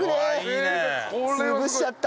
潰しちゃった。